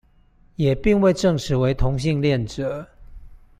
也並未證實為同性戀者